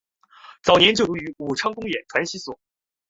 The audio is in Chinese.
早年就读于武昌工业传习所。